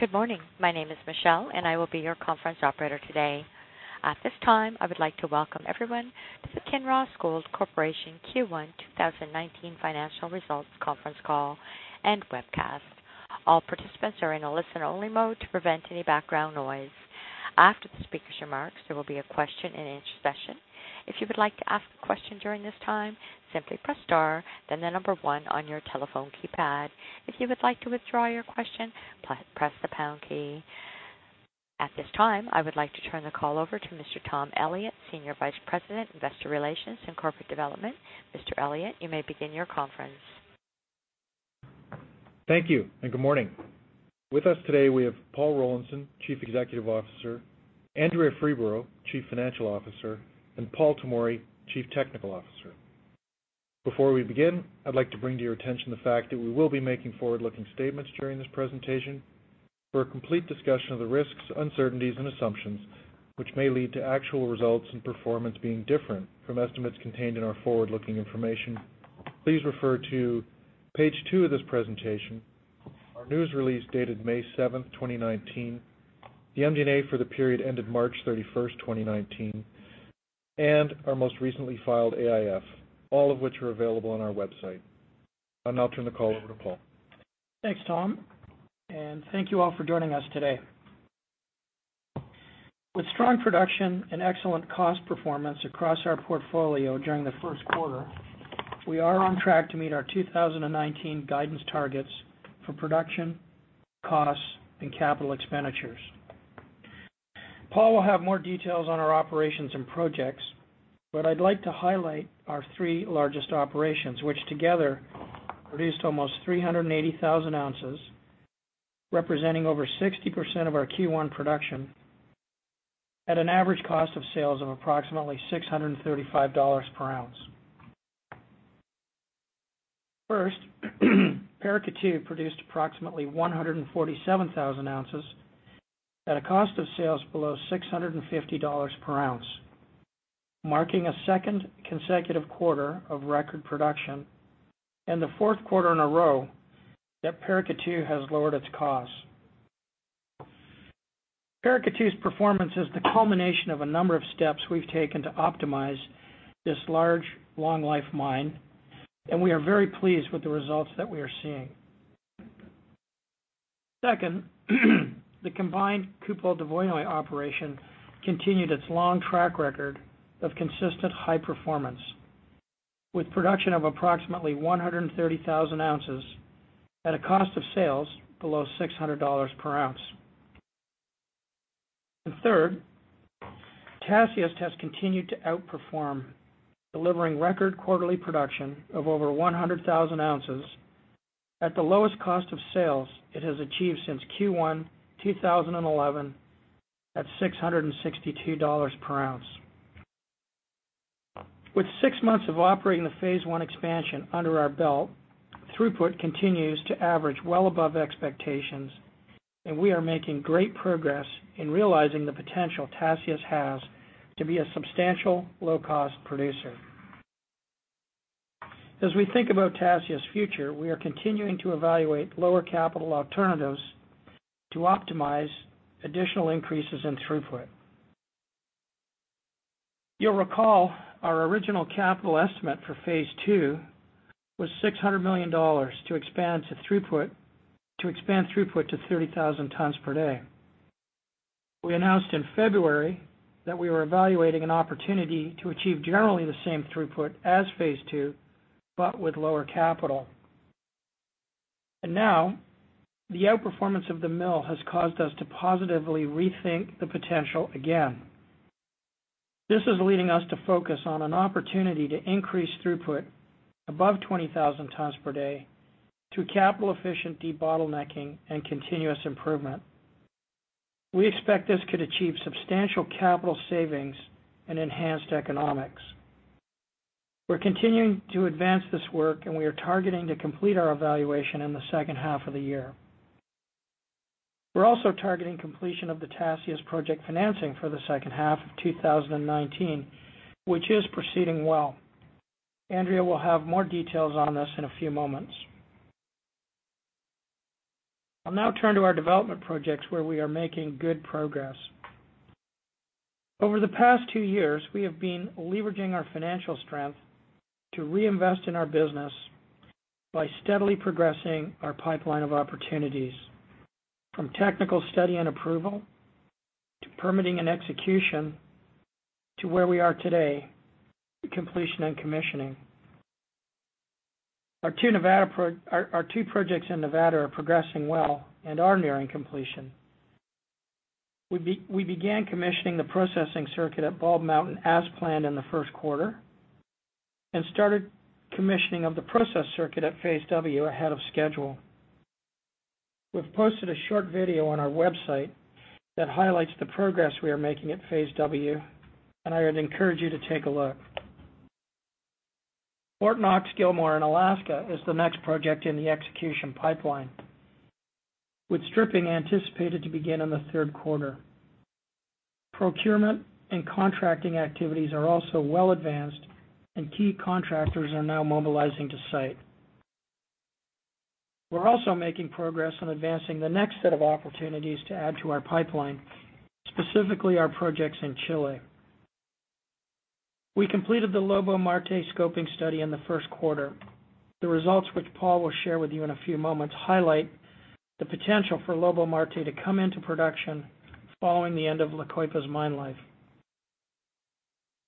Good morning. My name is Michelle, and I will be your conference operator today. At this time, I would like to welcome everyone to the Kinross Gold Corporation Q1 2019 Financial Results Conference Call and Webcast. All participants are in a listen-only mode to prevent any background noise. After the speaker's remarks, there will be a question and answer session. If you would like to ask a question during this time, simply press star, then the number one on your telephone keypad. If you would like to withdraw your question, press the pound key. At this time, I would like to turn the call over to Mr. Tom Elliott, Senior Vice-President, Investor Relations and Corporate Development. Mr. Elliott, you may begin your conference. Thank you. Good morning. With us today, we have Paul Rollinson, Chief Executive Officer, Andrea Freeborough, Chief Financial Officer, and Paul Tomory, Chief Technical Officer. Before we begin, I'd like to bring to your attention the fact that we will be making forward-looking statements during this presentation. For a complete discussion of the risks, uncertainties, and assumptions, which may lead to actual results and performance being different from estimates contained in our forward-looking information, please refer to page two of this presentation, our news release dated May 7th, 2019, the MD&A for the period ended March 31st, 2019, and our most recently filed AIF, all of which are available on our website. I'll now turn the call over to Paul. Thanks, Tom. Thank you all for joining us today. With strong production and excellent cost performance across our portfolio during the first quarter, we are on track to meet our 2019 guidance targets for production, costs, and capital expenditures. Paul will have more details on our operations and projects, but I'd like to highlight our three largest operations, which together produced almost 380,000 ounces, representing over 60% of our Q1 production at an average cost of sales of approximately $635 per ounce. First, Paracatu produced approximately 147,000 ounces at a cost of sales below $650 per ounce, marking a second consecutive quarter of record production and the fourth quarter in a row that Paracatu has lowered its cost. Paracatu's performance is the culmination of a number of steps we've taken to optimize this large, long life mine, and we are very pleased with the results that we are seeing. Second, the combined Kupol-Dvoinoye operation continued its long track record of consistent high performance with production of approximately 130,000 ounces at a cost of sales below $600 per ounce. Third, Tasiast has continued to outperform, delivering record quarterly production of over 100,000 ounces at the lowest cost of sales it has achieved since Q1 2011 at $662 per ounce. With six months of operating the phase one expansion under our belt, throughput continues to average well above expectations, and we are making great progress in realizing the potential Tasiast has to be a substantial low-cost producer. As we think about Tasiast's future, we are continuing to evaluate lower capital alternatives to optimize additional increases in throughput. You'll recall our original capital estimate for phase two was $600 million to expand throughput to 30,000 tons per day. We announced in February that we were evaluating an opportunity to achieve generally the same throughput as phase II, but with lower capital. Now, the outperformance of the mill has caused us to positively rethink the potential again. This is leading us to focus on an opportunity to increase throughput above 20,000 tons per day through capital efficient debottlenecking and continuous improvement. We expect this could achieve substantial capital savings and enhanced economics. We're continuing to advance this work, and we are targeting to complete our evaluation in the second half of the year. We're also targeting completion of the Tasiast project financing for the second half of 2019, which is proceeding well. Andrea will have more details on this in a few moments. I'll now turn to our development projects where we are making good progress. Over the past two years, we have been leveraging our financial strength to reinvest in our business by steadily progressing our pipeline of opportunities, from technical study and approval to permitting and execution to where we are today, completion and commissioning. Our two projects in Nevada are progressing well and are nearing completion. We began commissioning the processing circuit at Bald Mountain as planned in the first quarter and started commissioning of the process circuit at Phase W ahead of schedule. We've posted a short video on our website that highlights the progress we are making at Phase W, and I would encourage you to take a look. Fort Knox/Gilmore in Alaska is the next project in the execution pipeline, with stripping anticipated to begin in the third quarter. Procurement and contracting activities are also well advanced, and key contractors are now mobilizing to site. We're also making progress on advancing the next set of opportunities to add to our pipeline, specifically our projects in Chile. We completed the Lobo-Marte scoping study in the first quarter. The results, which Paul will share with you in a few moments, highlight the potential for Lobo-Marte to come into production following the end of La Coipa's mine life.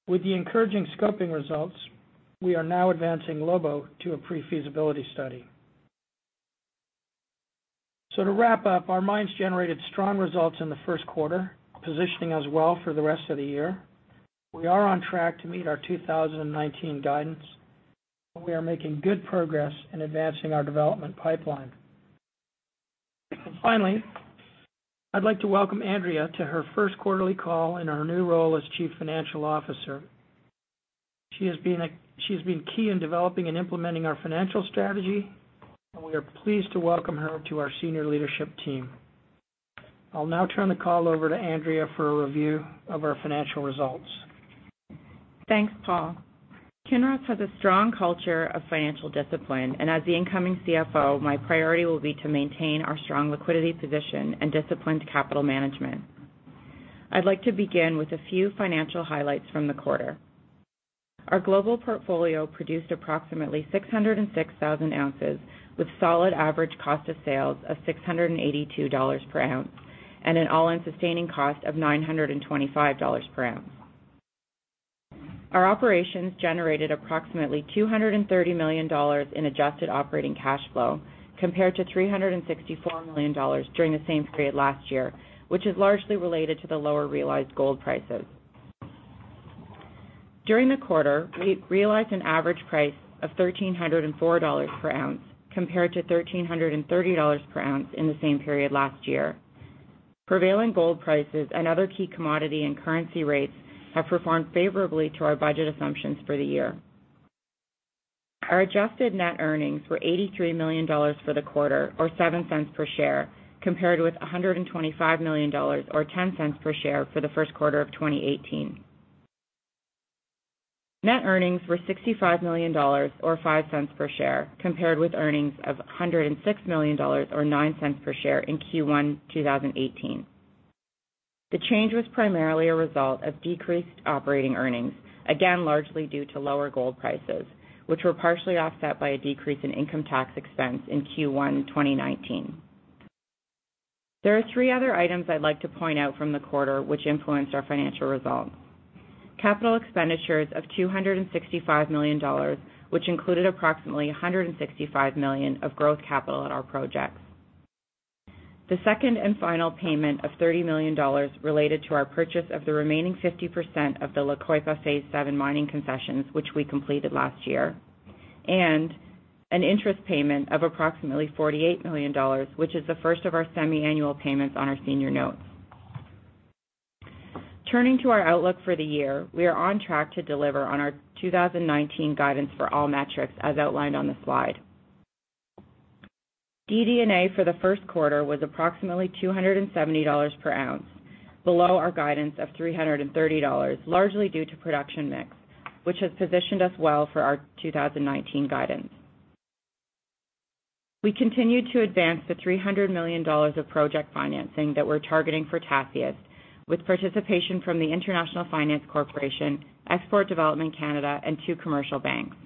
With the encouraging scoping results, we are now advancing Lobo to a pre-feasibility study. To wrap up, our mines generated strong results in the first quarter, positioning us well for the rest of the year. We are on track to meet our 2019 guidance, and we are making good progress in advancing our development pipeline. Finally, I'd like to welcome Andrea to her first quarterly call in her new role as Chief Financial Officer. She has been key in developing and implementing our financial strategy, and we are pleased to welcome her to our senior leadership team. I'll now turn the call over to Andrea for a review of our financial results. Thanks, Paul. Kinross has a strong culture of financial discipline, and as the incoming CFO, my priority will be to maintain our strong liquidity position and disciplined capital management. I'd like to begin with a few financial highlights from the quarter. Our global portfolio produced approximately 606,000 ounces, with solid average cost of sales of $682 per ounce, and an all-in sustaining cost of $925 per ounce. Our operations generated approximately $230 million in adjusted operating cash flow, compared to $364 million during the same period last year, which is largely related to the lower realized gold prices. During the quarter, we realized an average price of $1,304 per ounce compared to $1,330 per ounce in the same period last year. Prevailing gold prices and other key commodity and currency rates have performed favorably to our budget assumptions for the year. Our adjusted net earnings were $83 million for the quarter, or $0.07 per share, compared with $125 million, or $0.10 per share for the first quarter of 2018. Net earnings were $65 million, or $0.05 per share, compared with earnings of $106 million or $0.09 per share in Q1 2018. The change was primarily a result of decreased operating earnings, again, largely due to lower gold prices, which were partially offset by a decrease in income tax expense in Q1 2019. There are three other items I'd like to point out from the quarter which influenced our financial results. Capital expenditures of $265 million, which included approximately $165 million of growth capital at our projects. The second and final payment of $30 million related to our purchase of the remaining 50% of the La Coipa Phase 7 mining concessions, which we completed last year, and an interest payment of approximately $48 million, which is the first of our semi-annual payments on our senior notes. Turning to our outlook for the year, we are on track to deliver on our 2019 guidance for all metrics as outlined on the slide. DD&A for the first quarter was approximately $270 per ounce, below our guidance of $330, largely due to production mix, which has positioned us well for our 2019 guidance. We continued to advance the $300 million of project financing that we're targeting for Tasiast with participation from the International Finance Corporation, Export Development Canada, and two commercial banks.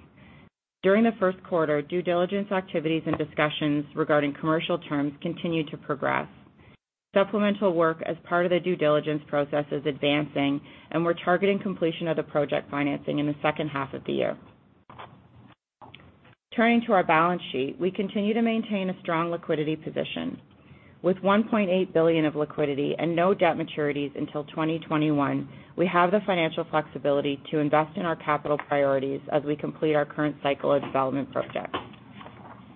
During the first quarter, due diligence activities and discussions regarding commercial terms continued to progress. Supplemental work as part of the due diligence process is advancing, and we're targeting completion of the project financing in the second half of the year. Turning to our balance sheet, we continue to maintain a strong liquidity position. With $1.8 billion of liquidity and no debt maturities until 2021, we have the financial flexibility to invest in our capital priorities as we complete our current cycle of development projects.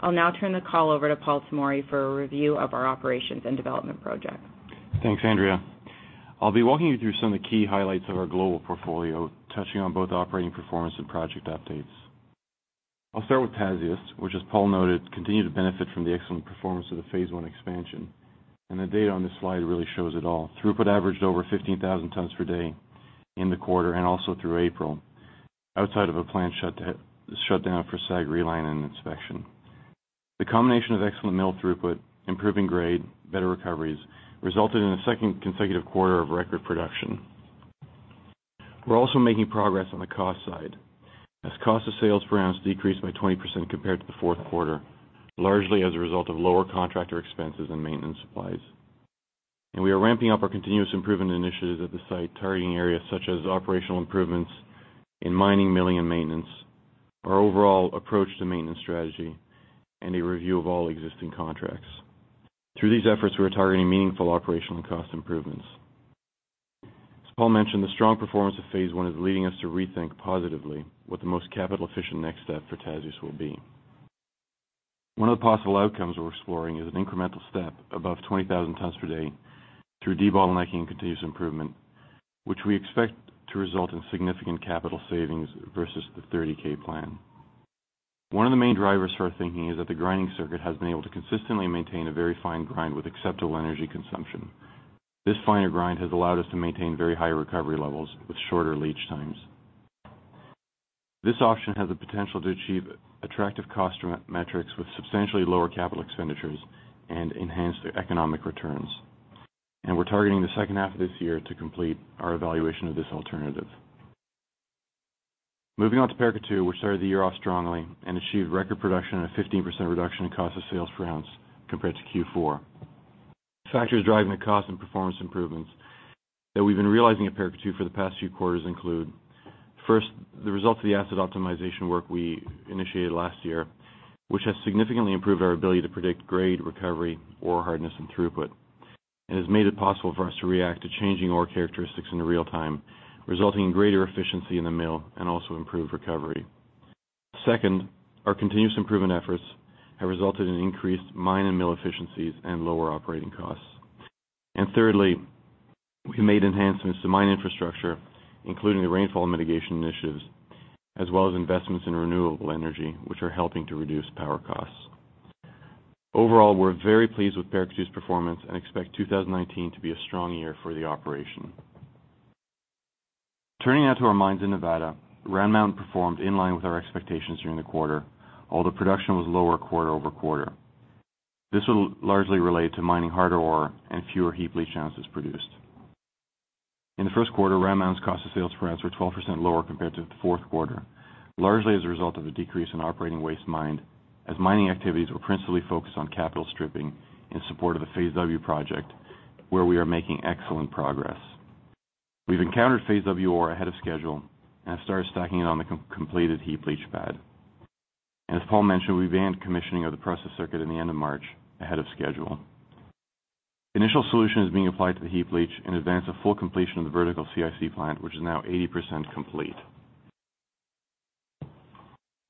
I'll now turn the call over to Paul Tomory for a review of our operations and development projects. Thanks, Andrea. I'll be walking you through some of the key highlights of our global portfolio, touching on both operating performance and project updates. I'll start with Tasiast, which, as Paul noted, continued to benefit from the excellent performance of the phase 1 expansion. The data on this slide really shows it all. Throughput averaged over 15,000 tons per day in the quarter and also through April, outside of a planned shutdown for SAG relining inspection. The combination of excellent mill throughput, improving grade, better recoveries, resulted in a second consecutive quarter of record production. We're also making progress on the cost side, as cost of sales per ounce decreased by 20% compared to the fourth quarter, largely as a result of lower contractor expenses and maintenance supplies. We are ramping up our continuous improvement initiatives at the site, targeting areas such as operational improvements in mining, milling, and maintenance, our overall approach to maintenance strategy, and a review of all existing contracts. Through these efforts, we're targeting meaningful operational cost improvements. As Paul mentioned, the strong performance of phase 1 is leading us to rethink positively what the most capital-efficient next step for Tasiast will be. One of the possible outcomes we're exploring is an incremental step above 20,000 tons per day through debottlenecking continuous improvement, which we expect to result in significant capital savings versus the 30K plan. One of the main drivers for our thinking is that the grinding circuit has been able to consistently maintain a very fine grind with acceptable energy consumption. This finer grind has allowed us to maintain very high recovery levels with shorter leach times. This option has the potential to achieve attractive cost metrics with substantially lower capital expenditures and enhance the economic returns. We're targeting the second half of this year to complete our evaluation of this alternative. Moving on to Paracatu, we started the year off strongly and achieved record production and a 15% reduction in cost of sales per ounce compared to Q4. Factors driving the cost and performance improvements that we've been realizing at Paracatu for the past few quarters include, first, the result of the asset optimization work we initiated last year, which has significantly improved our ability to predict grade recovery, ore hardness, and throughput, and has made it possible for us to react to changing ore characteristics in real time, resulting in greater efficiency in the mill and also improved recovery. Second, our continuous improvement efforts have resulted in increased mine and mill efficiencies and lower operating costs. Thirdly, we made enhancements to mine infrastructure, including the rainfall mitigation initiatives, as well as investments in renewable energy, which are helping to reduce power costs. Overall, we're very pleased with Paracatu's performance and expect 2019 to be a strong year for the operation. Turning now to our mines in Nevada, Round Mountain performed in line with our expectations during the quarter, although production was lower quarter-over-quarter. This will largely relate to mining harder ore and fewer heap leach ounces produced. In the first quarter, Round Mountain's cost of sales per ounce were 12% lower compared to the fourth quarter, largely as a result of a decrease in operating waste mined, as mining activities were principally focused on capital stripping in support of the Phase W project, where we are making excellent progress. We've encountered Phase W ore ahead of schedule and have started stacking it on the completed heap leach pad. As Paul mentioned, we began commissioning of the process circuit in the end of March ahead of schedule. Initial solution is being applied to the heap leach in advance of full completion of the vertical CIC plant, which is now 80% complete.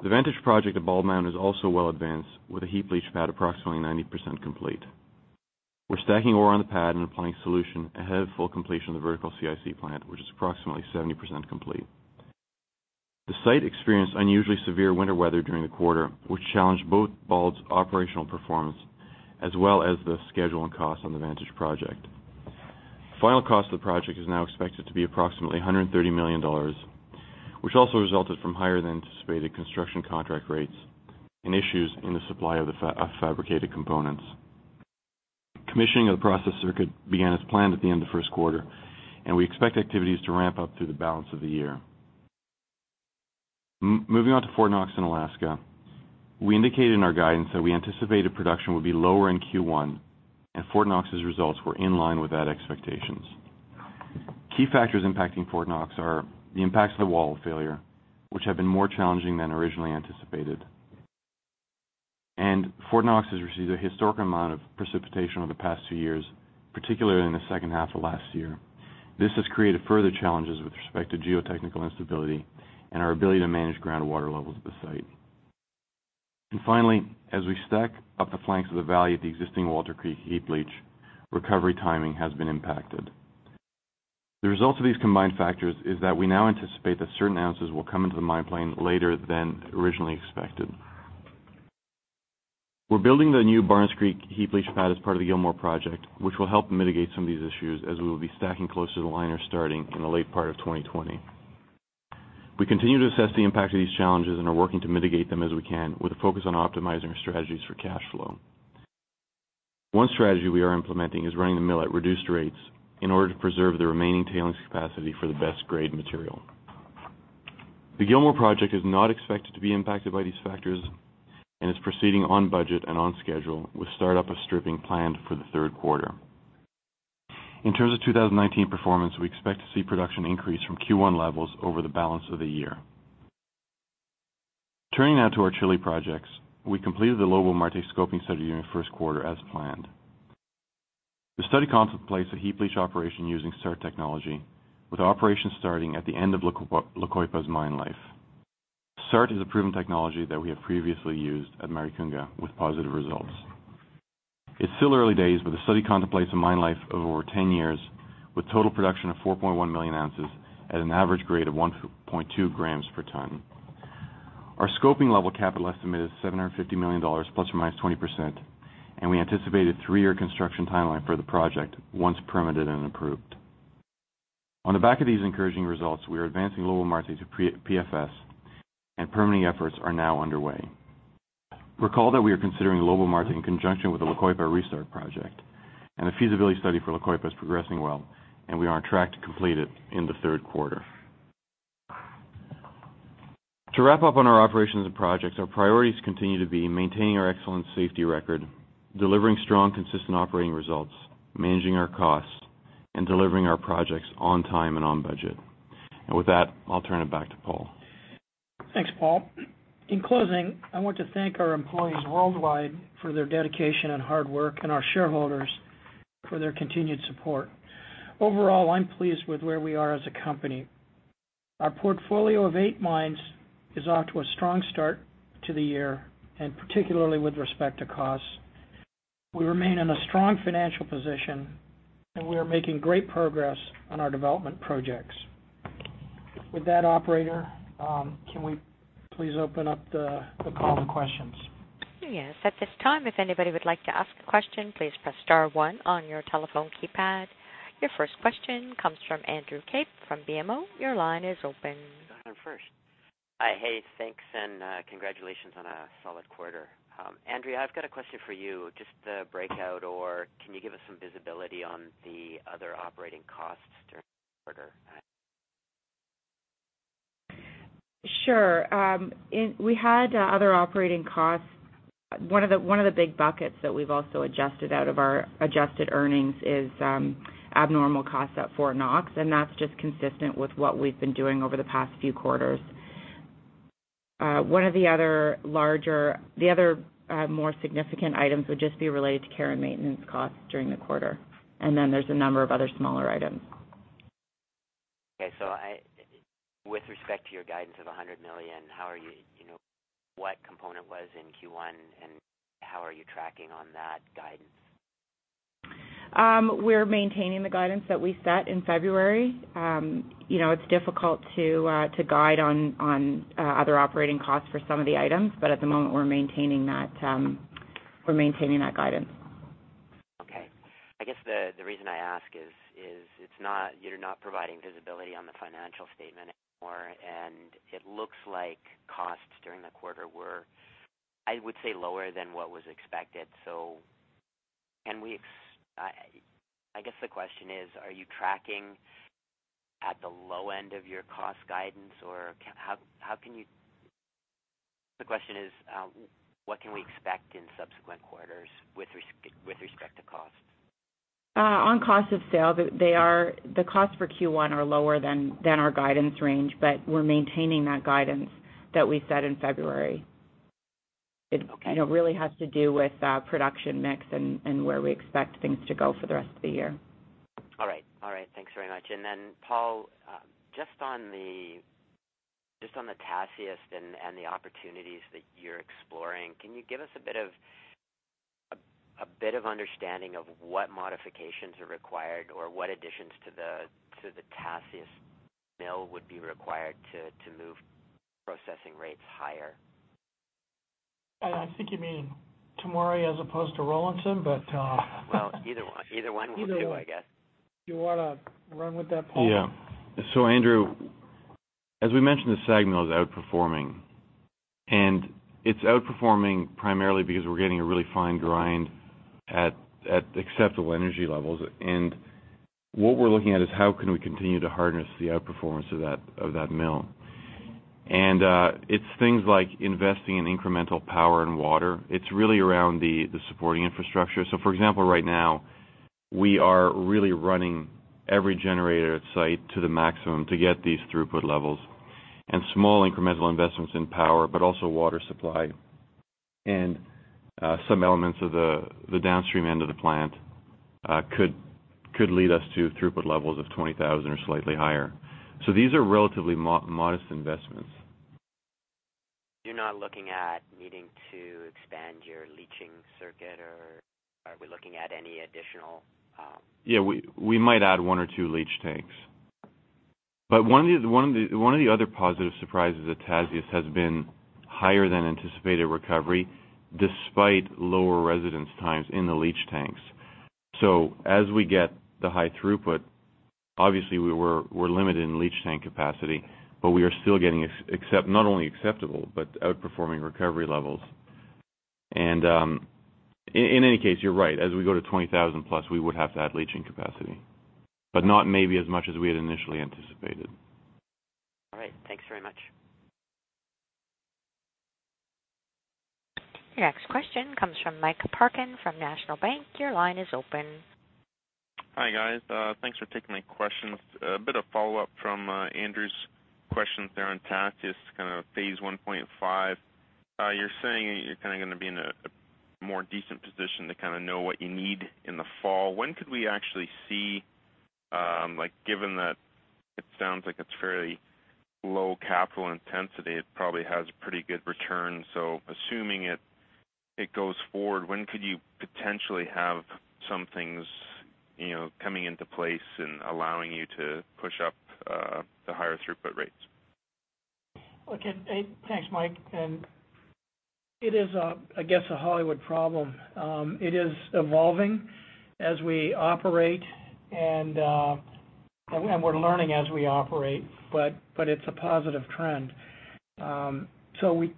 The Vantage Project at Bald Mountain is also well advanced, with the heap leach pad approximately 90% complete. We're stacking ore on the pad and applying solution ahead of full completion of the vertical CIC plant, which is approximately 70% complete. The site experienced unusually severe winter weather during the quarter, which challenged both Bald's operational performance as well as the schedule and cost on the Vantage Project. Final cost of the project is now expected to be approximately $130 million, which also resulted from higher than anticipated construction contract rates and issues in the supply of fabricated components. Commissioning of the process circuit began as planned at the end of the first quarter. We expect activities to ramp up through the balance of the year. Moving on to Fort Knox in Alaska, we indicated in our guidance that we anticipated production would be lower in Q1. Fort Knox's results were in line with those expectations. Key factors impacting Fort Knox are the impacts of the wall failure, which have been more challenging than originally anticipated. Fort Knox has received a historic amount of precipitation over the past two years, particularly in the second half of last year. This has created further challenges with respect to geotechnical instability and our ability to manage groundwater levels at the site. Finally, as we stack up the flanks of the valley at the existing Walter Creek heap leach, recovery timing has been impacted. The result of these combined factors is that we now anticipate that certain ounces will come into the mine plan later than originally expected. We're building the new Barnes Creek heap leach pad as part of the Gilmore Project, which will help mitigate some of these issues as we will be stacking closer to the liner starting in the late part of 2020. We continue to assess the impact of these challenges and are working to mitigate them as we can, with a focus on optimizing our strategies for cash flow. One strategy we are implementing is running the mill at reduced rates in order to preserve the remaining tailings capacity for the best grade material. The Gilmore Project is not expected to be impacted by these factors and is proceeding on budget and on schedule, with start-up of stripping planned for the third quarter. In terms of 2019 performance, we expect to see production increase from Q1 levels over the balance of the year. Turning now to our Chile projects, we completed the Lobo-Marte scoping study during the first quarter as planned. The study contemplates a heap leach operation using SART technology, with operations starting at the end of La Coipa's mine life. SART is a proven technology that we have previously used at Maricunga with positive results. It's still early days, but the study contemplates a mine life of over 10 years, with total production of 4.1 million ounces at an average grade of 1.2 grams per ton. Our scoping level capital estimate is $750 million ±20%, and we anticipate a three-year construction timeline for the project once permitted and approved. On the back of these encouraging results, we are advancing Lobo-Marte to PFS, and permitting efforts are now underway. Recall that we are considering Lobo-Marte in conjunction with the La Coipa Restart Project, and the feasibility study for La Coipa is progressing well, and we are on track to complete it in the third quarter. To wrap up on our operations and projects, our priorities continue to be maintaining our excellent safety record, delivering strong, consistent operating results, managing our costs, and delivering our projects on time and on budget. With that, I'll turn it back to Paul. Thanks, Paul. In closing, I want to thank our employees worldwide for their dedication and hard work and our shareholders for their continued support. Overall, I'm pleased with where we are as a company. Our portfolio of eight mines is off to a strong start to the year, and particularly with respect to costs. We remain in a strong financial position, and we are making great progress on our development projects. With that, operator, can we please open up the call to questions? Yes. At this time, if anybody would like to ask a question, please press star one on your telephone keypad. Your first question comes from Andrew Kaip from BMO. Your line is open. You got on first. Hi. Hey, thanks. Congratulations on a solid quarter. Andrea, I've got a question for you. Just the breakout, can you give us some visibility on the other operating costs during the quarter? Sure. We had other operating costs. One of the big buckets that we've also adjusted out of our adjusted earnings is abnormal costs at Fort Knox, that's just consistent with what we've been doing over the past few quarters. One of the other more significant items would just be related to care and maintenance costs during the quarter, then there's a number of other smaller items. Okay. With respect to your guidance of $100 million, what component was in Q1, how are you tracking on that guidance? We're maintaining the guidance that we set in February. It's difficult to guide on other operating costs for some of the items, but at the moment, we're maintaining that guidance. Okay. I guess the reason I ask is, you're not providing visibility on the financial statement anymore, and it looks like costs during the quarter were, I would say, lower than what was expected. I guess the question is, are you tracking at the low end of your cost guidance? The question is, what can we expect in subsequent quarters with respect to cost? On cost of sale, the costs for Q1 are lower than our guidance range, but we're maintaining that guidance that we set in February. Okay. It really has to do with production mix and where we expect things to go for the rest of the year. All right. Thanks very much. Paul, just on the Tasiast and the opportunities that you're exploring, can you give us a bit of understanding of what modifications are required or what additions to the Tasiast mill would be required to move processing rates higher? I think you mean Paul Tomory as opposed to Paul Rollinson. Well, either one will do, I guess. Either one. Do you want to run with that, Paul? Yeah. Andrew, as we mentioned, the SAG mill is outperforming, and it's outperforming primarily because we're getting a really fine grind at acceptable energy levels. What we're looking at is how can we continue to harness the outperformance of that mill. It's things like investing in incremental power and water. It's really around the supporting infrastructure. For example, right now, we are really running every generator at site to the maximum to get these throughput levels, and small incremental investments in power, but also water supply and some elements of the downstream end of the plant could lead us to throughput levels of 20,000 or slightly higher. These are relatively modest investments. You're not looking at needing to expand your leaching circuit, or are we looking at any additional- Yeah, we might add one or two leach tanks. One of the other positive surprises at Tasiast has been higher than anticipated recovery, despite lower residence times in the leach tanks. As we get the high throughput, obviously we're limited in leach tank capacity, but we are still getting not only acceptable, but outperforming recovery levels. In any case, you're right. As we go to 20,000 plus, we would have to add leaching capacity, but not maybe as much as we had initially anticipated. All right. Thanks very much. Your next question comes from Mike Parkin from National Bank. Your line is open. Hi, guys. Thanks for taking my questions. A bit of follow-up from Andrew's questions there on Tasiast, kind of phase 1.5. You're saying you're going to be in a more decent position to kind of know what you need in the fall. When could we actually see, given that it sounds like it's fairly low capital intensity, it probably has pretty good returns. Assuming it goes forward, when could you potentially have some things coming into place and allowing you to push up the higher throughput rates? Okay. Thanks, Mike, it is, I guess, a Hollywood problem. It is evolving as we operate, and we're learning as we operate, but it's a positive trend.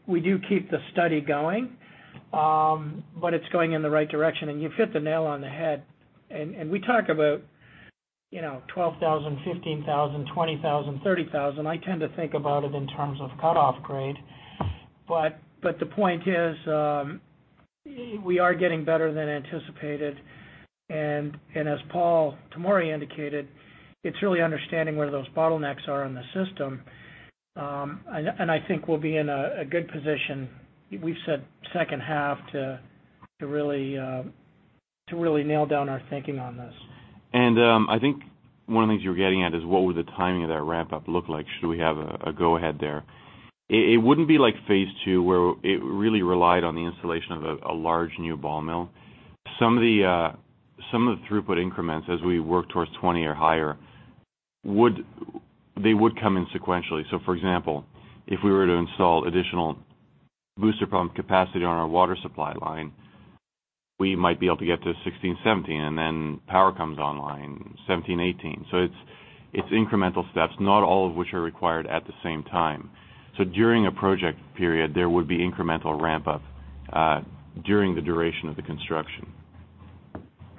We do keep the study going, but it's going in the right direction. You've hit the nail on the head, we talk about 12,000, 15,000, 20,000, 30,000. I tend to think about it in terms of cutoff grade. The point is, we are getting better than anticipated, and as Paul Tomory indicated, it's really understanding where those bottlenecks are in the system. I think we'll be in a good position. We've said second half to really nail down our thinking on this. I think one of the things you were getting at is what would the timing of that ramp up look like should we have a go ahead there? It wouldn't be like phase two where it really relied on the installation of a large new ball mill. Some of the throughput increments as we work towards 20 or higher, they would come in sequentially. For example, if we were to install additional booster pump capacity on our water supply line, we might be able to get to 16, 17, and then power comes online, 17, 18. It's incremental steps, not all of which are required at the same time. During a project period, there would be incremental ramp up during the duration of the construction.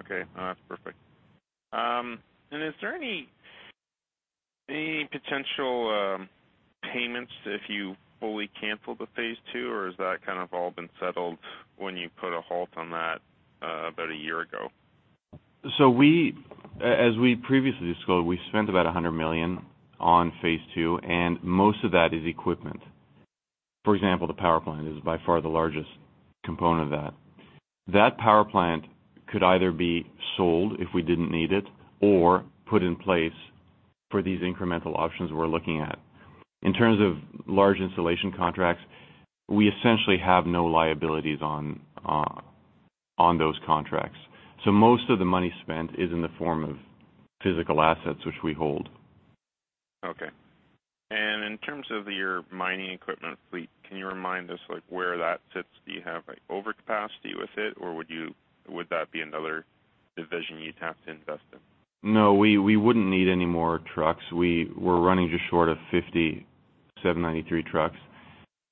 Okay. That's perfect. Is there any potential payments if you fully cancel the Phase II or has that kind of all been settled when you put a halt on that about a year ago? As we previously disclosed, we spent about $100 million on Phase II, and most of that is equipment. For example, the power plant is by far the largest component of that. That power plant could either be sold if we didn't need it or put in place for these incremental options we're looking at. In terms of large installation contracts, we essentially have no liabilities on those contracts. Most of the money spent is in the form of physical assets which we hold. Okay. In terms of your mining equipment fleet, can you remind us where that sits? Do you have over capacity with it or would that be another division you'd have to invest in? No, we wouldn't need any more trucks. We're running just short of 57, 93 trucks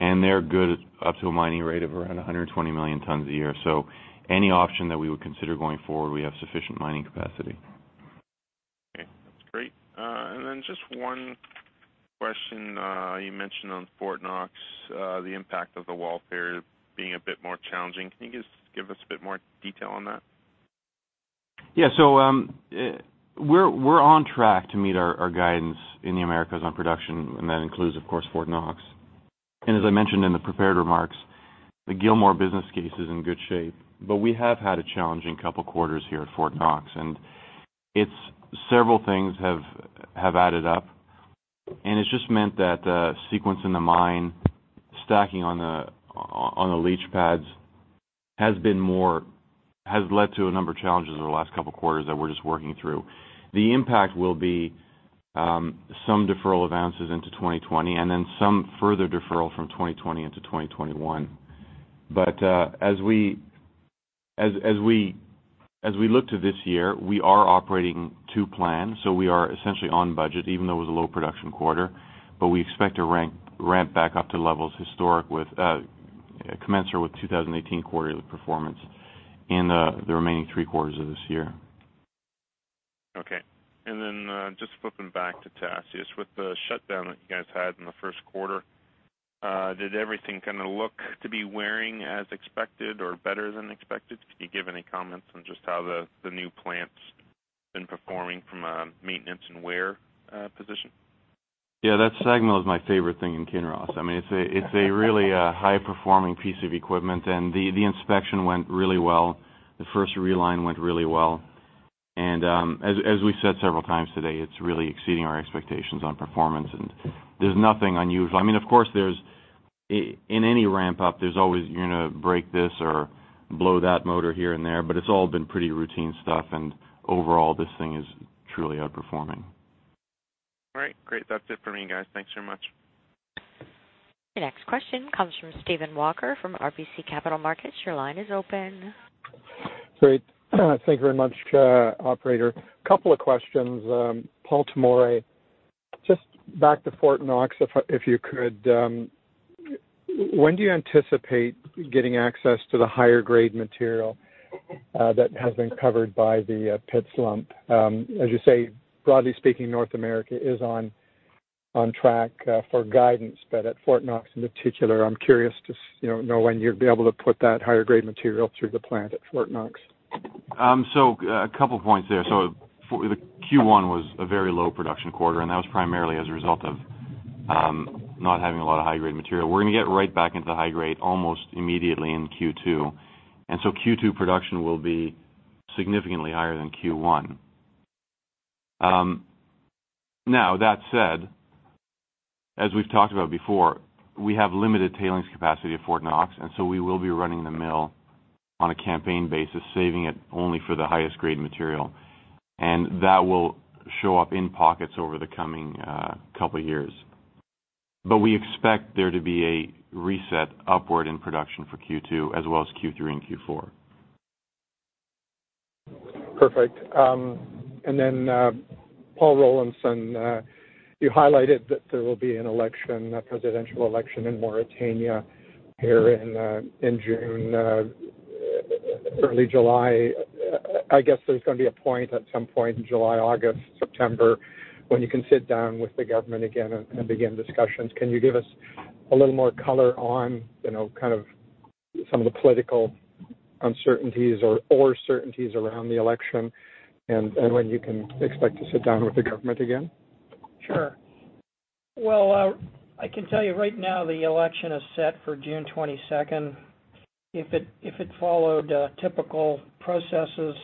and they're good up to a mining rate of around 120 million tons a year. Any option that we would consider going forward, we have sufficient mining capacity. Okay, that's great. Just one question. You mentioned on Fort Knox, the impact of the wall fair being a bit more challenging. Can you just give us a bit more detail on that? Yeah. We're on track to meet our guidance in the Americas on production and that includes, of course, Fort Knox. As I mentioned in the prepared remarks, the Gilmore business case is in good shape. We have had a challenging couple quarters here at Fort Knox and several things have added up and it's just meant that the sequence in the mine, stacking on the leach pads has led to a number of challenges in the last couple quarters that we're just working through. The impact will be some deferral of ounces into 2020 and then some further deferral from 2020 into 2021. As we look to this year, we are operating to plan. We are essentially on budget even though it was a low production quarter. We expect to ramp back up to levels historic commensurate with 2018 quarterly performance in the remaining three quarters of this year. Okay. Just flipping back to Tasiast with the shutdown that you guys had in the first quarter, did everything kind of look to be wearing as expected or better than expected? Could you give any comments on just how the new plant's been performing from a maintenance and wear position? Yeah, that segment was my favorite thing in Kinross. It's a really high performing piece of equipment and the inspection went really well. The first reline went really well and as we said several times today, it's really exceeding our expectations on performance and there's nothing unusual. Of course, in any ramp up, you're going to break this or blow that motor here and there, but it's all been pretty routine stuff and overall this thing is truly outperforming. All right. Great. That's it for me guys. Thanks very much. Your next question comes from Stephen Walker from RBC Capital Markets. Your line is open. Great. Thank you very much, operator. Couple of questions. Paul Tomory, just back to Fort Knox if you could. When do you anticipate getting access to the higher grade material that has been covered by the pit slump? As you say, broadly speaking, North America is on track for guidance but at Fort Knox in particular, I'm curious to know when you'd be able to put that higher grade material through the plant at Fort Knox. A couple points there. The Q1 was a very low production quarter and that was primarily as a result of not having a lot of high grade material. We're going to get right back into high grade almost immediately in Q2 and Q2 production will be significantly higher than Q1. That said, as we've talked about before, we have limited tailings capacity at Fort Knox and we will be running the mill on a campaign basis, saving it only for the highest grade material and that will show up in pockets over the coming couple years. We expect there to be a reset upward in production for Q2 as well as Q3 and Q4. Perfect. Paul Rollinson, you highlighted that there will be an election, a presidential election in Mauritania here in June, early July. I guess there's going to be a point at some point in July, August, September when you can sit down with the government again and begin discussions. Can you give us a little more color on kind of some of the political uncertainties or certainties around the election and when you can expect to sit down with the government again? Sure. I can tell you right now the election is set for June 22nd. If it followed typical processes,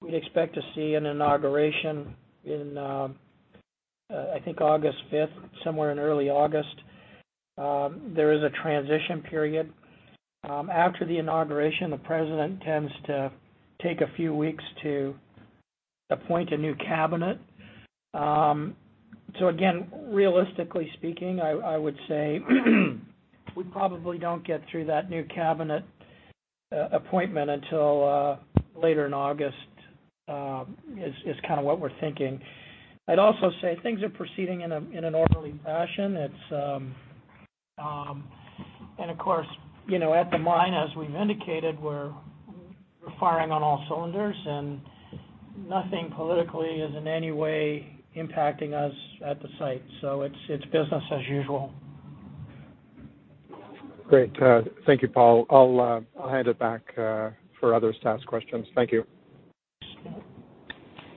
we'd expect to see an inauguration in, I think August 5th, somewhere in early August. There is a transition period. After the inauguration, the president tends to take a few weeks to appoint a new cabinet. Again, realistically speaking, I would say we probably don't get through that new cabinet appointment until later in August, is kind of what we're thinking. I'd also say things are proceeding in an orderly fashion. Of course, at the mine, as we've indicated, we're firing on all cylinders and nothing politically is in any way impacting us at the site. It's business as usual. Great. Thank you, Paul. I'll hand it back for others to ask questions. Thank you.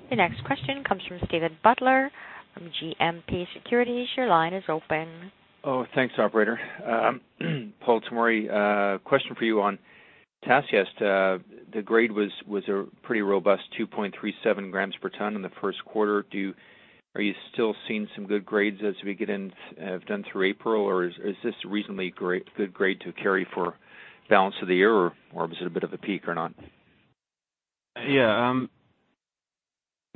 The next question comes from Steven Butler from GMP Securities. Your line is open. Oh, thanks, operator. Paul Rollinson, question for you on Tasiast. The grade was a pretty robust 2.37 grams per ton in the first quarter. Are you still seeing some good grades as we get done through April, or is this a reasonably good grade to carry for balance of the year, or was it a bit of a peak or not? Yeah.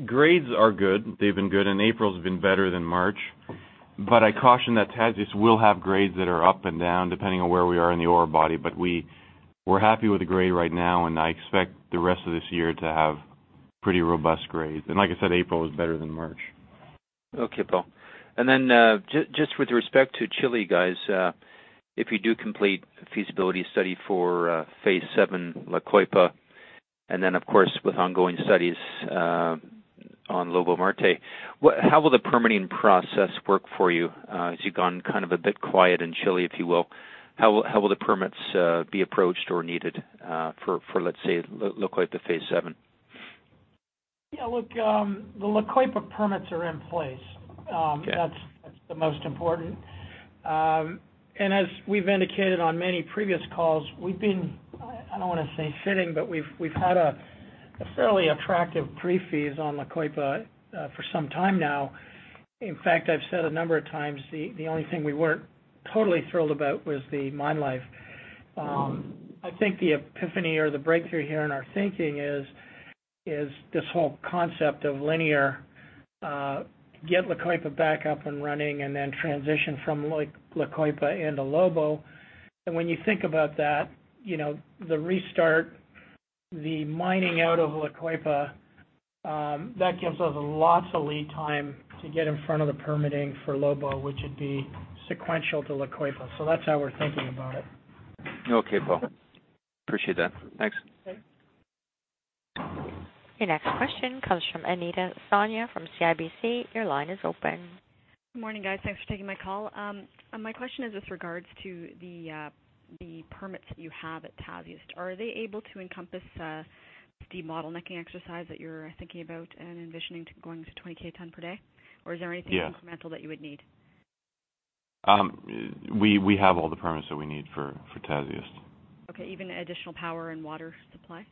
Grades are good. They've been good. April's been better than March, but I caution that Tasiast will have grades that are up and down depending on where we are in the ore body. We're happy with the grade right now, and I expect the rest of this year to have pretty robust grades. Like I said, April is better than March. Okay, Paul. Then, just with respect to Chile, guys, if you do complete feasibility study for Phase 7, La Coipa, then of course, with ongoing studies on Lobo-Marte, how will the permitting process work for you? As you've gone kind of a bit quiet in Chile, if you will, how will the permits be approached or needed for, let's say, La Coipa Phase 7? Yeah, look, the La Coipa permits are in place. Okay. That's the most important. As we've indicated on many previous calls, we've been, I don't want to say sitting, but we've had a fairly attractive PFS on La Coipa for some time now. In fact, I've said a number of times, the only thing we weren't totally thrilled about was the mine life. I think the epiphany or the breakthrough here in our thinking is this whole concept of linear, get La Coipa back up and running, then transition from La Coipa into Lobo. When you think about that, the restart, the mining out of La Coipa, that gives us lots of lead time to get in front of the permitting for Lobo, which would be sequential to La Coipa. That's how we're thinking about it. Okay, Paul. Appreciate that. Thanks. Okay. Your next question comes from Anita Soni from CIBC. Your line is open. Good morning, guys. Thanks for taking my call. My question is with regards to the permits that you have at Tasiast. Are they able to encompass the bottlenecking exercise that you're thinking about and envisioning to going to 20K ton per day? Or is there anything- Yeah incremental that you would need? We have all the permits that we need for Tasiast. Okay, even additional power and water supply?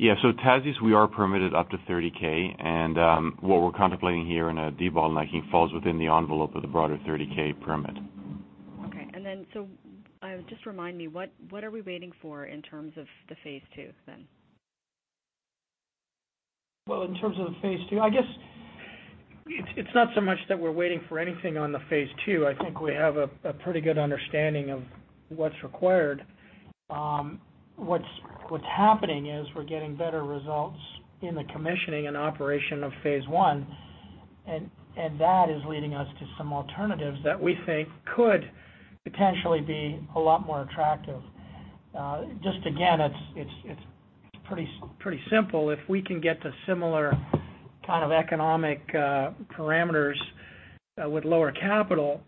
Tasiast, we are permitted up to 30K. What we're contemplating here in a debottlenecking falls within the envelope of the broader 30K permit. Okay. Just remind me, what are we waiting for in terms of the Phase 2 then? Well, in terms of the Phase 2, I guess it's not so much that we're waiting for anything on the Phase 2. I think we have a pretty good understanding of what's required. What's happening is we're getting better results in the commissioning and operation of Phase 1, and that is leading us to some alternatives that we think could potentially be a lot more attractive. Just again, it's pretty simple. If we can get to similar kind of economic parameters with lower capital,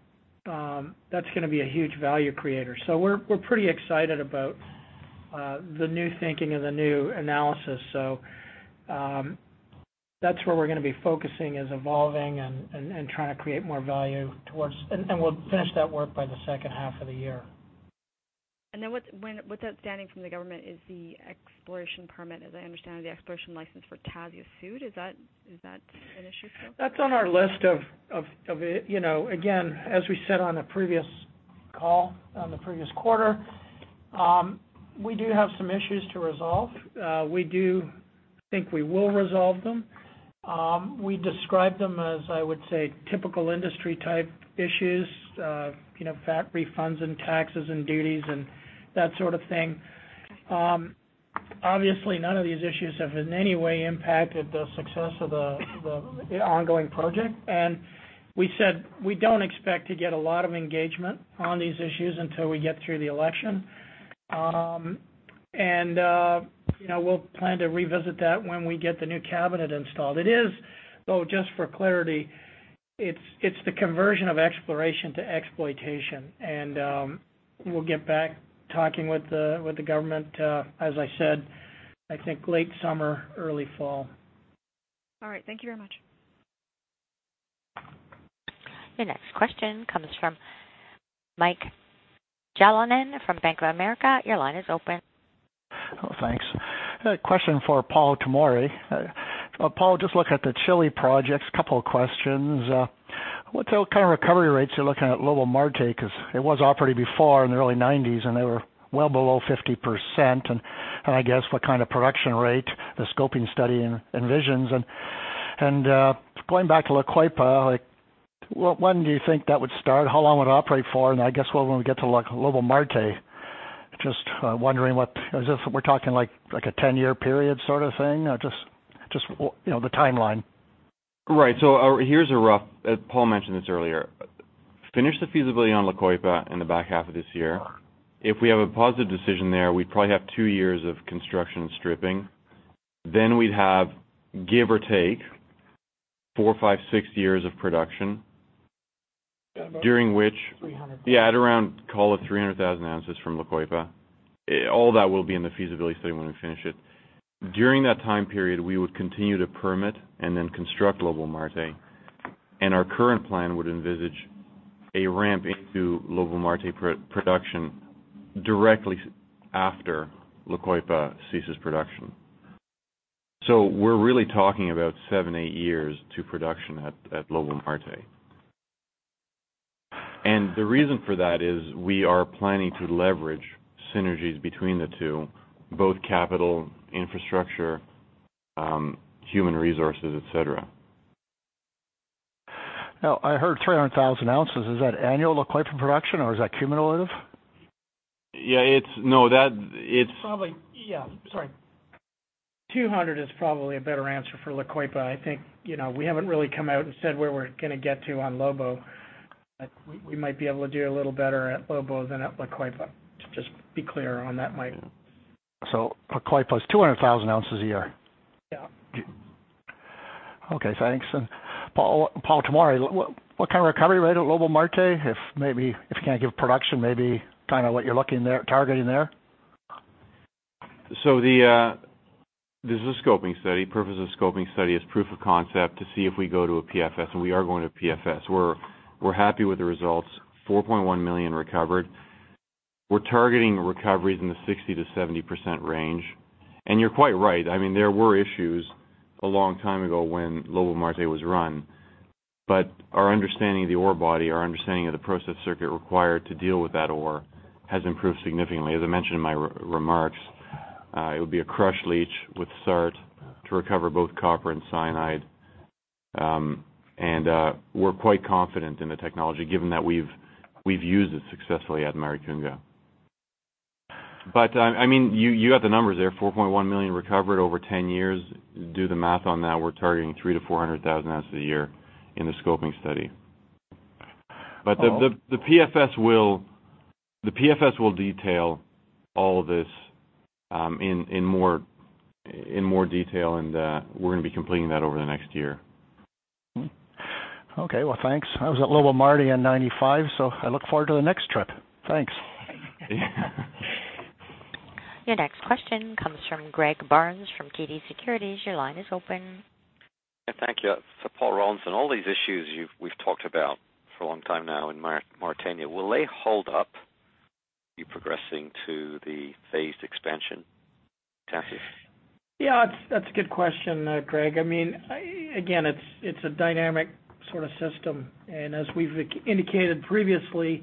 that's going to be a huge value creator. We're pretty excited about the new thinking and the new analysis. That's where we're going to be focusing is evolving and trying to create more value. We'll finish that work by the second half of the year. What's outstanding from the government is the exploration permit. As I understand, the exploration license for Tasiast Sud. Is that an issue still? That's on our list of it. As we said on a previous call, on the previous quarter, we do have some issues to resolve. We do think we will resolve them. We describe them as, I would say, typical industry type issues, VAT refunds and taxes and duties and that sort of thing. Okay. None of these issues have in any way impacted the success of the ongoing project. We said we don't expect to get a lot of engagement on these issues until we get through the election. We'll plan to revisit that when we get the new cabinet installed. It is, though, just for clarity, it's the conversion of exploration to exploitation. We'll get back talking with the government, as I said, I think late summer, early fall. All right. Thank you very much. Your next question comes from Michael Jalonen from Bank of America. Your line is open. Thanks. A question for Paul Tomory. Paul, just looking at the Chile projects, a couple of questions. What kind of recovery rates are you looking at Lobo-Marte, because it was operating before in the early 1990s and they were well below 50% and I guess what kind of production rate the scoping study envisions? Going back to La Coipa, when do you think that would start? How long would it operate for? I guess when we get to Lobo-Marte, just wondering if we're talking a 10-year period sort of thing? Just the timeline. Right. Here's a rough Paul mentioned this earlier. Finish the feasibility on La Coipa in the back half of this year. If we have a positive decision there, we'd probably have 2 years of construction stripping. We'd have give or take 4, 5, 6 years of production during which- 300. At around call it 300,000 ounces from La Coipa. All that will be in the feasibility study when we finish it. During that time period, we would continue to permit and construct Lobo-Marte. Our current plan would envisage a ramp into Lobo-Marte production directly after La Coipa ceases production. We're really talking about 7, 8 years to production at Lobo-Marte. The reason for that is we are planning to leverage synergies between the two, both capital, infrastructure, human resources, et cetera. I heard 300,000 ounces. Is that annual La Coipa production or is that cumulative? No, that it's- It's probably Yeah, sorry. 200 is probably a better answer for La Coipa. I think, we haven't really come out and said where we're going to get to on Lobo. We might be able to do a little better at Lobo than at La Coipa. To just be clear on that, Mike. La Coipa is 200,000 ounces a year. Yeah. Okay, thanks. Paul Tomory, what kind of recovery rate at Lobo-Marte? If you can't give production, maybe what you're targeting there? This is a scoping study. Purpose of the scoping study is proof of concept to see if we go to a PFS, we are going to a PFS. We're happy with the results, 4.1 million recovered. We're targeting recoveries in the 60%-70% range. You're quite right. There were issues a long time ago when Lobo-Marte was run. Our understanding of the ore body, our understanding of the process circuit required to deal with that ore has improved significantly. As I mentioned in my remarks, it would be a crush leach with SART to recover both copper and cyanide. We're quite confident in the technology given that we've used it successfully at Maricunga. You have the numbers there, 4.1 million recovered over 10 years. Do the math on that. We're targeting 300,000-400,000 ounces a year in the scoping study. The PFS will detail all of this in more detail, and we're going to be completing that over the next year. Okay. Well, thanks. I was at Lobo-Marte in 1995, I look forward to the next trip. Thanks. Your next question comes from Greg Barnes from TD Securities. Your line is open. Thank you. For Paul Rollinson, all these issues we've talked about for a long time now in Mauritania, will they hold up you progressing to the phased expansion? That's a good question, Greg Barnes. It's a dynamic sort of system. As we've indicated previously,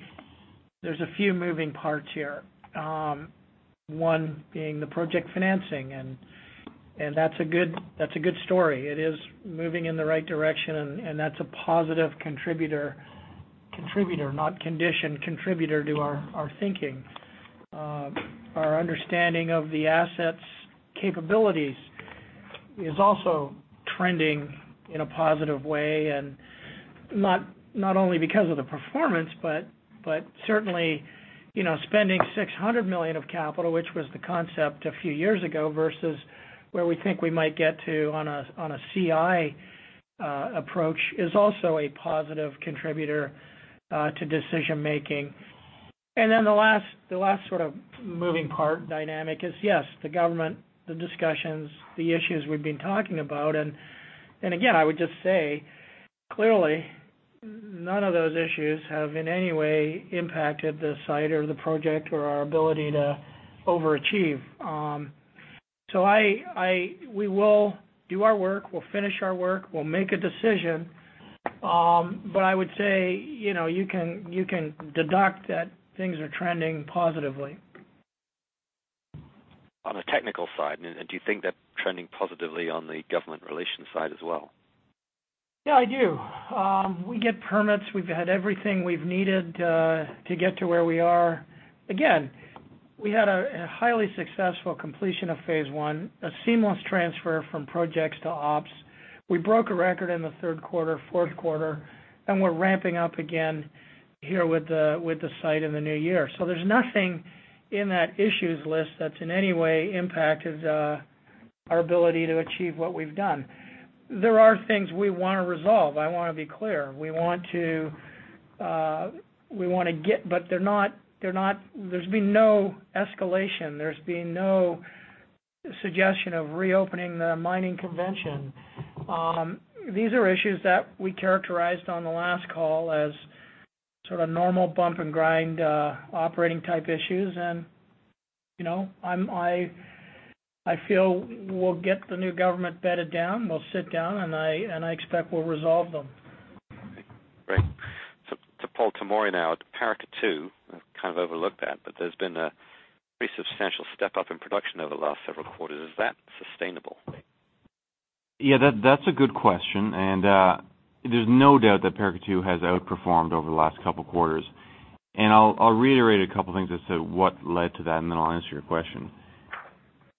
there's a few moving parts here. One being the project financing, that's a good story. It is moving in the right direction, that's a positive contributor, not condition, contributor to our thinking. Our understanding of the asset's capabilities is also trending in a positive way, not only because of the performance, but certainly, spending $600 million of capital, which was the concept a few years ago, versus where we think we might get to on a CI approach, is also a positive contributor to decision making. The last sort of moving part dynamic is, yes, the government, the discussions, the issues we've been talking about. I would just say, clearly, none of those issues have in any way impacted the site or the project or our ability to overachieve. We will do our work. We'll finish our work. We'll make a decision. I would say, you can deduct that things are trending positively. On the technical side, do you think they're trending positively on the government relations side as well? Yeah, I do. We get permits. We've had everything we've needed to get to where we are. We had a highly successful completion of phase 1, a seamless transfer from projects to ops. We broke a record in the third quarter, fourth quarter, we're ramping up again here with the site in the new year. There's nothing in that issues list that's in any way impacted our ability to achieve what we've done. There are things we want to resolve, I want to be clear. We want to get, there's been no escalation. There's been no suggestion of reopening the mining convention. These are issues that we characterized on the last call as sort of normal bump and grind operating type issues. I feel we'll get the new government bedded down. We'll sit down, I expect we'll resolve them. To Paul Tomory now, to Paracatu, kind of overlooked that, there's been a pretty substantial step up in production over the last several quarters. Is that sustainable? Yeah, that's a good question, there's no doubt that Paracatu has outperformed over the last couple of quarters. I'll reiterate a couple of things as to what led to that, then I'll answer your question.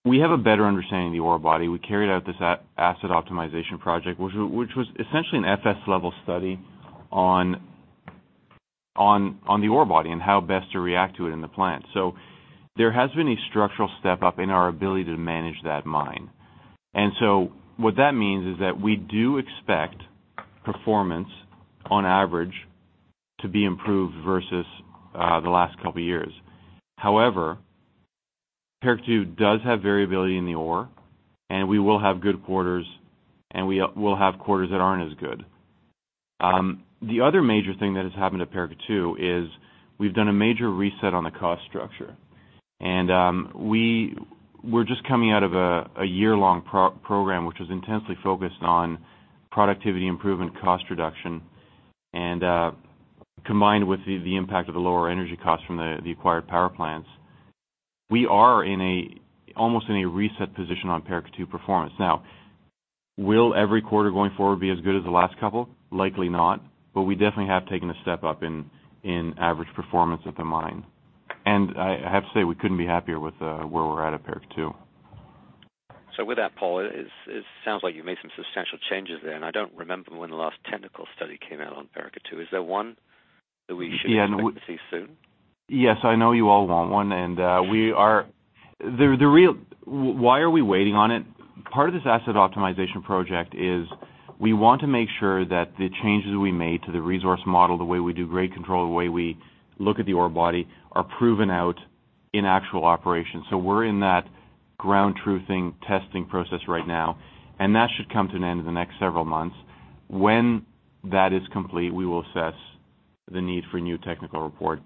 We have a better understanding of the ore body. We carried out this asset optimization project, which was essentially an FS-level study on the ore body and how best to react to it in the plant. There has been a structural step up in our ability to manage that mine. What that means is that we do expect performance, on average, to be improved versus the last couple of years. However, Paracatu does have variability in the ore, and we will have good quarters, and we'll have quarters that aren't as good. The other major thing that has happened at Paracatu is we've done a major reset on the cost structure. We were just coming out of a year-long program, which was intensely focused on productivity improvement, cost reduction, and combined with the impact of the lower energy cost from the acquired power plants. We are almost in a reset position on Paracatu performance. Now, will every quarter going forward be as good as the last couple? Likely not, we definitely have taken a step up in average performance at the mine. I have to say, we couldn't be happier with where we're at Paracatu. With that, Paul, it sounds like you've made some substantial changes there, I don't remember when the last technical study came out on Paracatu. Is there one that we should expect to see soon? Yes, I know you all want one. Why are we waiting on it? Part of this asset optimization project is we want to make sure that the changes we made to the resource model, the way we do grade control, the way we look at the ore body, are proven out in actual operations. We're in that ground-truthing testing process right now. That should come to an end in the next several months. When that is complete, we will assess the need for a new technical report.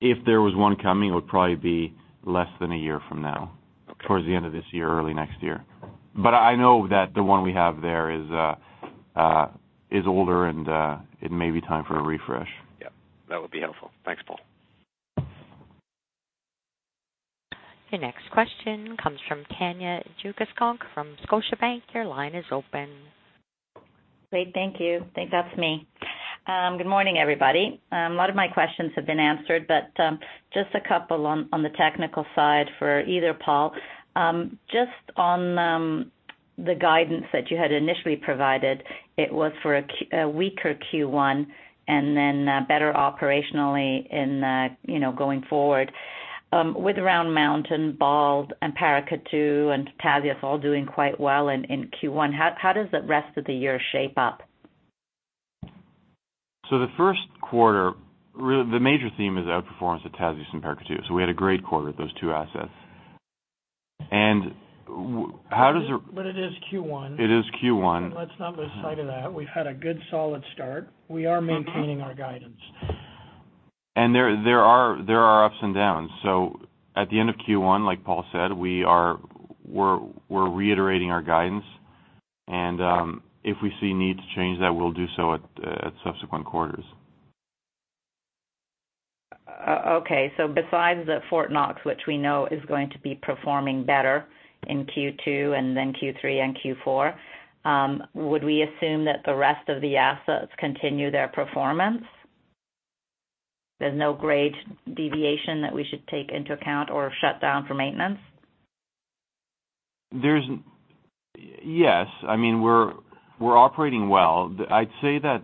If there was one coming, it would probably be less than a year from now. Okay. Towards the end of this year, early next year. I know that the one we have there is older. It may be time for a refresh. Yep. That would be helpful. Thanks, Paul. Your next question comes from Tanya Jakusconek from Scotiabank. Your line is open. Great, thank you. Think that's me. Good morning, everybody. A lot of my questions have been answered, but just a couple on the technical side for either Paul. On the guidance that you had initially provided, it was for a weaker Q1 and then better operationally going forward. With Round Mountain, Bald, Paracatu, and Tasiast all doing quite well in Q1, how does the rest of the year shape up? The first quarter, really the major theme is the outperformance of Tasiast and Paracatu. We had a great quarter at those two assets. It is Q1. It is Q1. Let's not lose sight of that. We've had a good, solid start. We are maintaining our guidance. There are ups and downs. At the end of Q1, like Paul said, we're reiterating our guidance, and if we see need to change that, we'll do so at subsequent quarters. Besides the Fort Knox, which we know is going to be performing better in Q2 and then Q3 and Q4, would we assume that the rest of the assets continue their performance? There's no great deviation that we should take into account or shut down for maintenance? We're operating well. I'd say that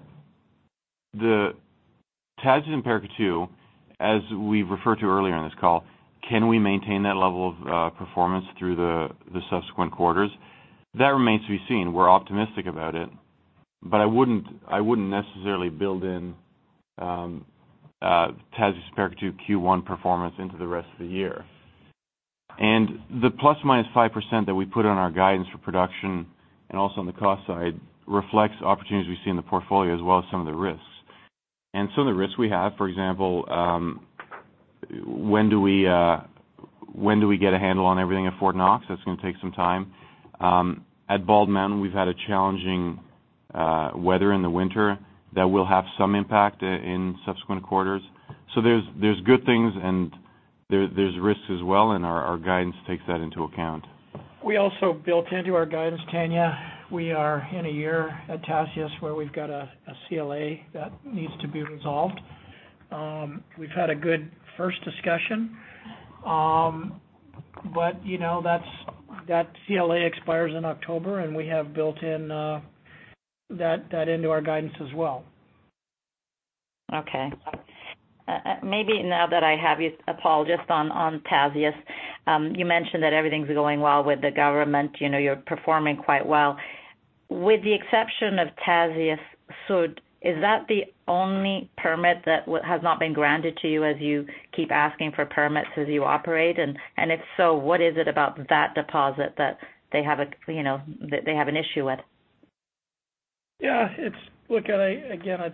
the Tasiast and Paracatu, as we referred to earlier in this call, can we maintain that level of performance through the subsequent quarters? That remains to be seen. We're optimistic about it, but I wouldn't necessarily build in Tasiast and Paracatu Q1 performance into the rest of the year. The ±5% that we put on our guidance for production, and also on the cost side, reflects opportunities we see in the portfolio as well as some of the risks. Some of the risks we have, for example, when do we get a handle on everything at Fort Knox? That's going to take some time. At Bald Mountain, we've had a challenging weather in the winter that will have some impact in subsequent quarters. There's good things, and there's risks as well, and our guidance takes that into account. We also built into our guidance, Tanya, we are in a year at Tasiast where we've got a CLA that needs to be resolved. We've had a good first discussion. That CLA expires in October, and we have built that into our guidance as well. Okay. Maybe now that I have you, Paul, just on Tasiast. You mentioned that everything's going well with the government, you're performing quite well. With the exception of Tasiast Sud, is that the only permit that has not been granted to you as you keep asking for permits as you operate? If so, what is it about that deposit that they have an issue with? Look, again,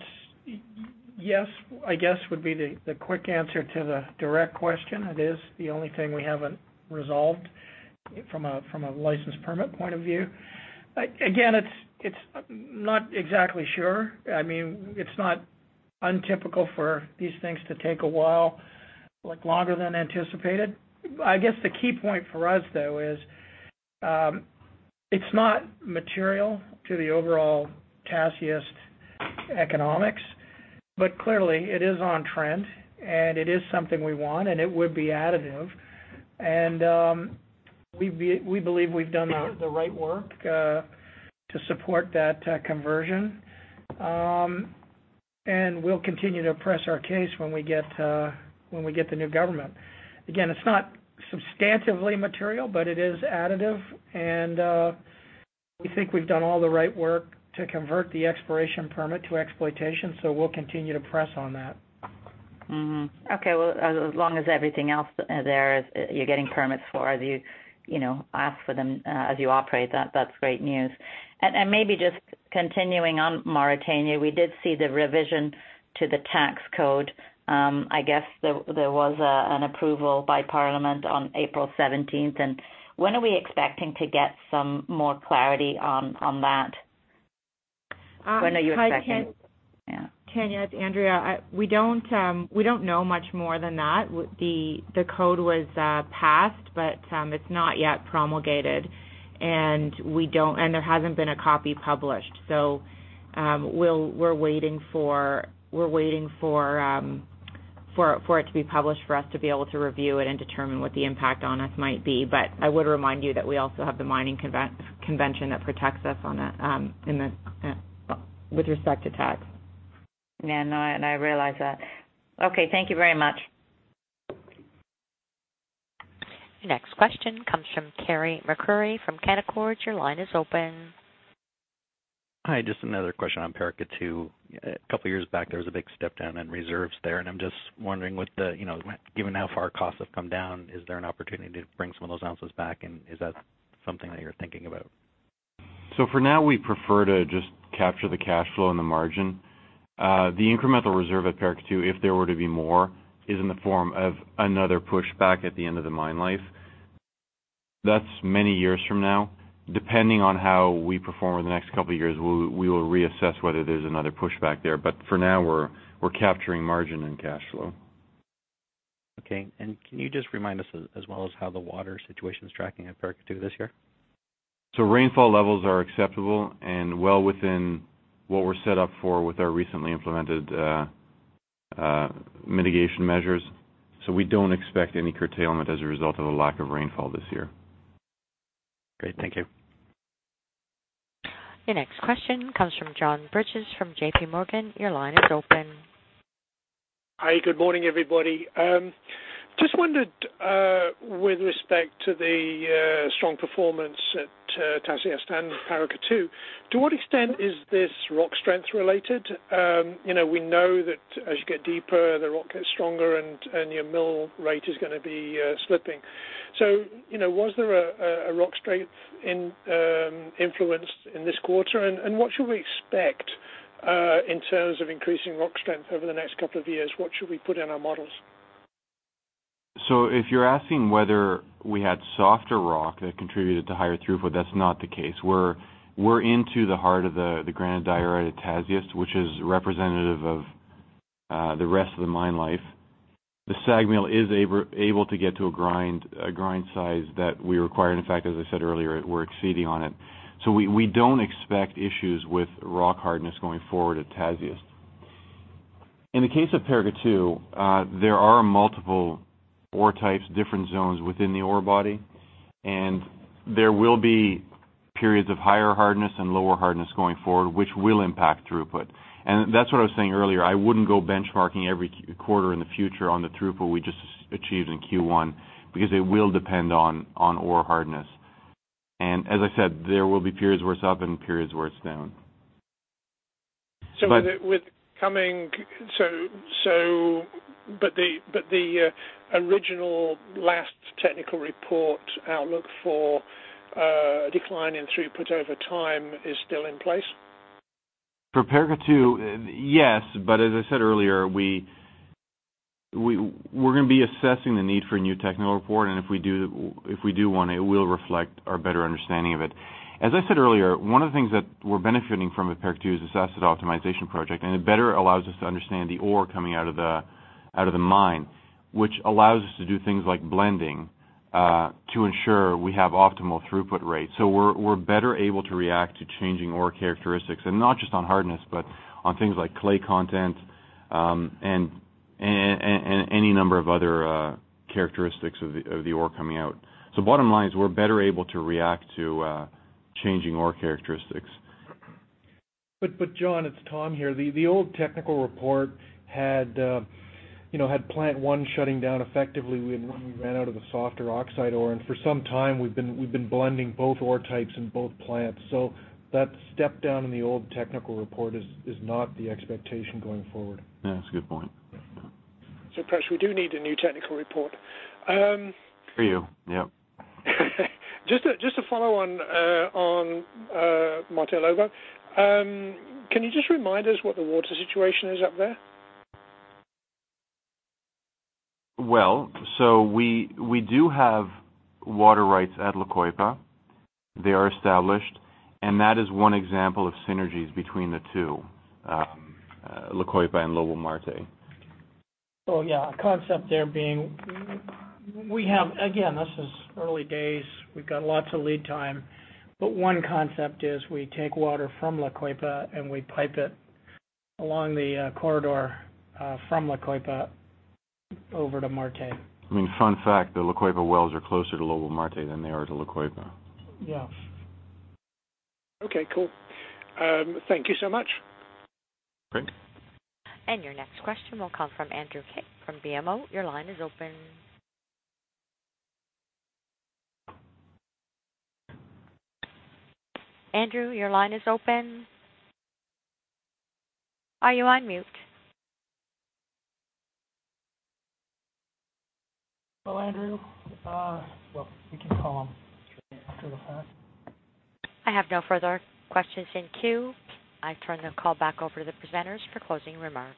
yes, I guess, would be the quick answer to the direct question. It is the only thing we haven't resolved from a license permit point of view. Again, it's not exactly sure. It's not untypical for these things to take a while, longer than anticipated. I guess the key point for us, though, is, it's not material to the overall Tasiast economics, but clearly it is on trend and it is something we want and it would be additive. We believe we've done the right work to support that conversion. We'll continue to press our case when we get the new government. Again, it's not substantively material, but it is additive, and we think we've done all the right work to convert the exploration permit to exploitation, so we'll continue to press on that. Okay. Well, as long as everything else there, you're getting permits for as you ask for them, as you operate, that's great news. Maybe just continuing on Mauritania, we did see the revision to the tax code. I guess there was an approval by parliament on April 17th. When are we expecting to get some more clarity on that? When are you expecting? Hi, Tanya, it's Andrea. We don't know much more than that. The code was passed, but it's not yet promulgated, and there hasn't been a copy published. We're waiting for it to be published for us to be able to review it and determine what the impact on us might be. I would remind you that we also have the mining convention that protects us with respect to tax. Yeah. No, and I realize that. Okay, thank you very much. Next question comes from Carey MacRury from Canaccord. Your line is open. Hi, just another question on Paracatu. A couple of years back, there was a big step down in reserves there. I'm just wondering, given how far costs have come down, is there an opportunity to bring some of those ounces back, and is that something that you're thinking about? For now, we prefer to just capture the cash flow and the margin. The incremental reserve at Paracatu, if there were to be more, is in the form of another pushback at the end of the mine life. That's many years from now. Depending on how we perform over the next couple of years, we will reassess whether there's another pushback there. For now, we're capturing margin and cash flow. Okay. Can you just remind us as well as how the water situation is tracking at Paracatu this year? Rainfall levels are acceptable and well within what we're set up for with our recently implemented mitigation measures. We don't expect any curtailment as a result of a lack of rainfall this year. Great. Thank you. Your next question comes from John Bridges from J.P. Morgan. Your line is open. Hi, good morning, everybody. Just wondered, with respect to the strong performance at Tasiast and Paracatu, to what extent is this rock strength related? We know that as you get deeper, the rock gets stronger and your mill rate is going to be slipping. Was there a rock strength influence in this quarter, and what should we expect in terms of increasing rock strength over the next couple of years? What should we put in our models? If you're asking whether we had softer rock that contributed to higher throughput, that's not the case. We're into the heart of the granodiorite at Tasiast, which is representative of the rest of the mine life. The SAG mill is able to get to a grind size that we require, and in fact, as I said earlier, we're exceeding on it. We don't expect issues with rock hardness going forward at Tasiast. In the case of Paracatu, there are multiple ore types, different zones within the ore body, and there will be periods of higher hardness and lower hardness going forward, which will impact throughput. That's what I was saying earlier. I wouldn't go benchmarking every quarter in the future on the throughput we just achieved in Q1, because it will depend on ore hardness. As I said, there will be periods where it's up and periods where it's down. The original last technical report outlook for a decline in throughput over time is still in place? For Paracatu, yes. As I said earlier, we're going to be assessing the need for a new technical report, and if we do one, it will reflect our better understanding of it. As I said earlier, one of the things that we're benefiting from at Paracatu is this asset optimization project, and it better allows us to understand the ore coming out of the mine, which allows us to do things like blending to ensure we have optimal throughput rates. We're better able to react to changing ore characteristics, and not just on hardness, but on things like clay content, and any number of other characteristics of the ore coming out. Bottom line is we're better able to react to changing ore characteristics. John, it's Tom here. The old technical report had plant 1 shutting down effectively when we ran out of the softer oxide ore, and for some time, we've been blending both ore types in both plants. That step down in the old technical report is not the expectation going forward. That's a good point. Yeah. Pres, we do need a new technical report. For you, yep. Just to follow on Lobo-Marte, can you just remind us what the water situation is up there? Well, we do have water rights at La Coipa. They are established, and that is one example of synergies between the two, La Coipa and Lobo-Marte. Yeah, a concept there being, we have, again, this is early days, we've got lots of lead time, but one concept is we take water from La Coipa, and we pipe it along the corridor from La Coipa over to Marte. I mean, fun fact, the La Coipa wells are closer to Lobo-Marte than they are to La Coipa. Yeah. Okay, cool. Thank you so much. Great. Your next question will come from Andrew Kaip from BMO. Your line is open. Andrew, your line is open. Are you on mute? Hello, Andrew. Well, we can call him straight after the fact. I have no further questions in queue. I turn the call back over to the presenters for closing remarks.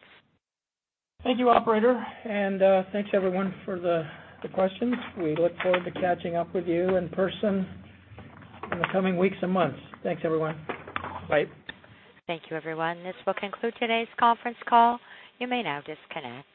Thank you, operator, and thanks everyone for the questions. We look forward to catching up with you in person in the coming weeks and months. Thanks, everyone. Bye. Thank you, everyone. This will conclude today's conference call. You may now disconnect.